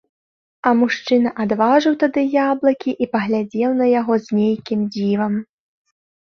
А мужчына адважыў тады яблыкі і паглядзеў на яго з нейкім дзівам.